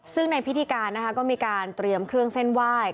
ซึ่งในพิธีการนะคะก็มีการเตรียมเครื่องเส้นไหว้